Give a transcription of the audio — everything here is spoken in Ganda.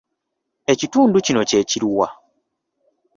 Ekitundu kino kye kiruwa?